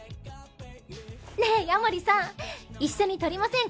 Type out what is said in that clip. ねえ夜守さん一緒に撮りませんか？